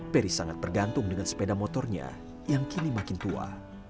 peri sangat bergantung dengan sepeda motornya yang kini makin tua